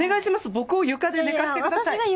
僕を床で寝かせてください！